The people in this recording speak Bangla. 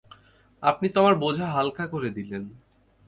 আপনি তো আমার বোঝা হালকা করে দিলেন।